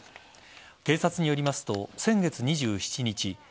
警察によりますと先月２７日